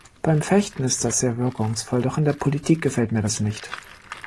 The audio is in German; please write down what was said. Beim Fechten ist das sehr wirkungsvoll, doch in der Politik gefällt mir das nicht.